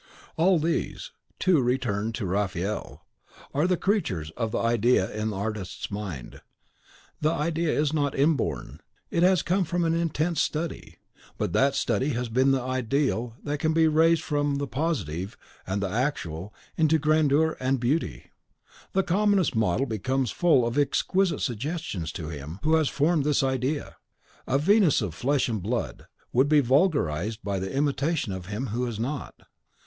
All these, to return to Raphael, are the creatures of the idea in the artist's mind. This idea is not inborn, it has come from an intense study. But that study has been of the ideal that can be raised from the positive and the actual into grandeur and beauty. The commonest model becomes full of exquisite suggestions to him who has formed this idea; a Venus of flesh and blood would be vulgarised by the imitation of him who has not.